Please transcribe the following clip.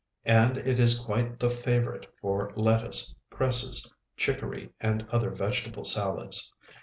And it is quite the favorite for lettuce, cresses, chicory, and other vegetable salads.